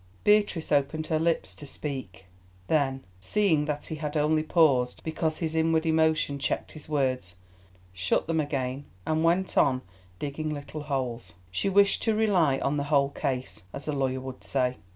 Beatrice opened her lips to speak, then, seeing that he had only paused because his inward emotion checked his words, shut them again, and went on digging little holes. She wished to rely on the whole case, as a lawyer would say.